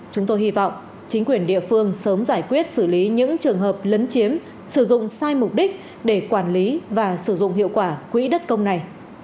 chúng tôi hy vọng chính quyền địa phương sớm giải quyết xử lý những trường hợp lấn chiếm sử dụng sai mục đích để quản lý và sử dụng hiệu quả quỹ đất công này